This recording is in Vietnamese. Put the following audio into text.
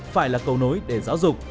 phải là cầu nối để giáo dục